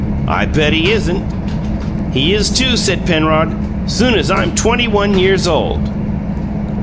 "I bet he isn't!" "He is, too," said Penrod; "soon as I'm twenty one years old."